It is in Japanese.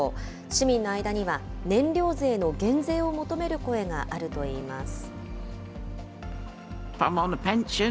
市民の間には、燃料税の減税を求める声があるといいます。